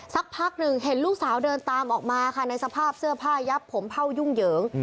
สักพักหนึ่งเห็นลูกสาวเดินตามออกมาค่ะในสภาพเสื้อผ้ายับผมเผ่ายุ่งเหยิง